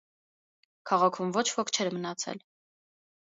Քաղաքում ոչ ոք չէր մնացել։